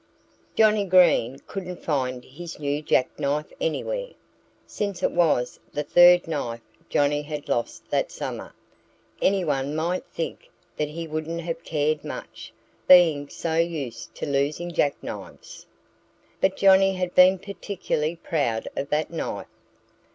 JOHNNIE GREEN couldn't find his new jackknife anywhere. Since it was the third knife Johnnie had lost that summer, anyone might think that he wouldn't have cared much, being so used to losing jackknives. But Johnnie had been particularly proud of that knife.